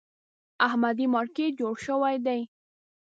احمدي مارکېټ جوړ شوی دی.